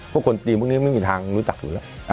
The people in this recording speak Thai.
คนจีนพวกนี้ไม่มีทางรู้จักอยู่แล้ว